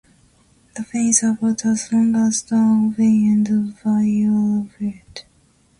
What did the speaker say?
The pen is about as long as the ovary and bilobed.